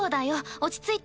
落ち着いて。